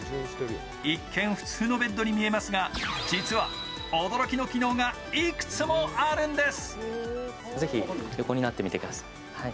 一見、普通のベッドに見えますが、驚きの機能がいくつもあるんです。